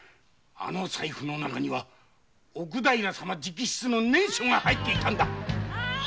あの財布の中には奥平様直筆の念書が入っていたんだ！